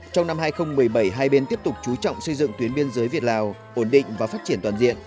trong năm hai nghìn một mươi bảy hai bên tiếp tục chú trọng xây dựng tuyến biên giới việt lào ổn định và phát triển toàn diện